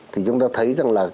thì chúng ta thấy rằng là